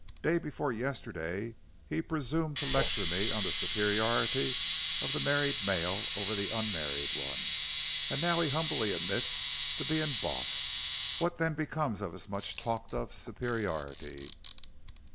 "Day before yesterday he presumed to lecture me on the superiority of the married male over the unmarried one. And now he humbly admits to being bossed. What then becomes of his much talked of superiority?